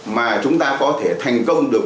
mà chúng ta có thể thành công được